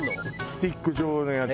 スティック状のやつ。